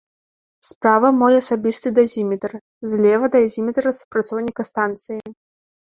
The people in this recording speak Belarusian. Справа мой асабісты дазіметр, злева дазіметр супрацоўніка станцыі.